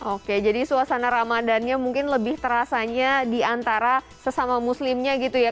oke jadi suasana ramadannya mungkin lebih terasanya di antara sesama muslimnya gitu ya